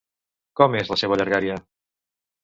Com és la seva llargària?